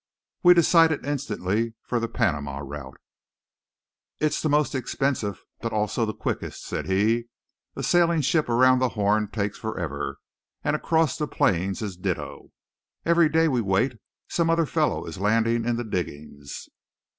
Ward decided instantly for the Panama route. "It's the most expensive, but also the quickest," said he; "a sailing ship around the Horn takes forever; and across the plains is ditto. Every day we wait, some other fellow is landing in the diggings."